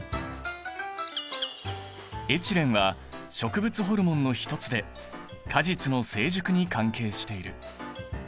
エチレンは植物ホルモンの一つで果実の成熟に関係している。